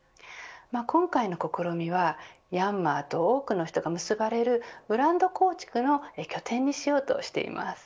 今回の試みはヤンマーと多くの人が結ばれるブランド構築の拠点にしようとしています。